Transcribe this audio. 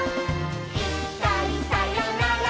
「いっかいさよなら